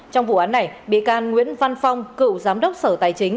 trong vụ án này bị can nguyễn văn phong cựu giám đốc sở tài chính